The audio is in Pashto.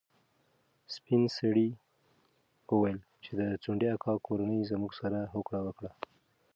سپین سرې وویل چې د ځونډي اکا کورنۍ زموږ سره هوکړه وکړه.